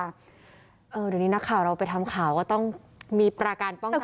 เดี๋ยวนี้นักข่าวเราไปทำข่าวก็ต้องมีปราการป้องกัน